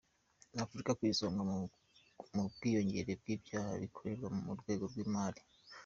Afurika ku isonga mu bwiyongere bw’ibyaha bikorerwa mu rwego rw’imari.